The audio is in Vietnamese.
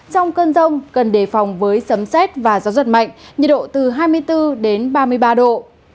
trong cơn rông cần đề phòng với sấm xét và gió giật mạnh nhiệt độ từ hai mươi bốn đến ba mươi ba độ